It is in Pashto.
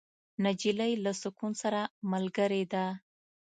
نجلۍ له سکون سره ملګرې ده.